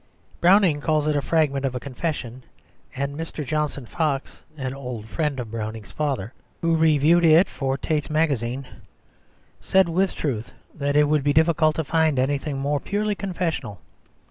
Browning calls it a fragment of a confession; and Mr. Johnson Fox, an old friend of Browning's father, who reviewed it for Tait's Magazine, said, with truth, that it would be difficult to find anything more purely confessional.